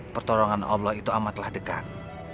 pertolongan allah itu amatlah dekat